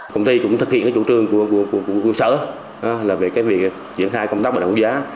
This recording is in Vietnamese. công ty cũng thực hiện chủ trương của cung sở về việc diễn thai công tác bình ổn giá